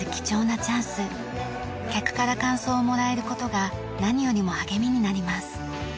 客から感想をもらえる事が何よりも励みになります。